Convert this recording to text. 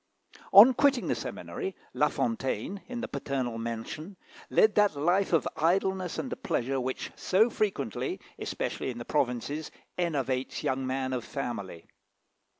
On quitting the seminary, La Fontaine, in the paternal mansion, led that life of idleness and pleasure which so frequently, especially in the provinces, enervates young men of family.